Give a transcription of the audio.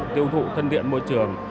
tiêu thụ thân điện môi trường